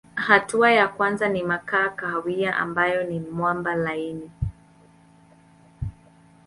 Hatua ya kwanza ni makaa kahawia ambayo ni mwamba laini.